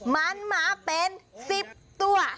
มันมาเป็น๑๐ตัว